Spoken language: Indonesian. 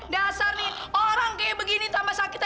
dasar nih orang kayak begini tambah sakit